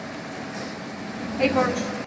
এই, পরশ!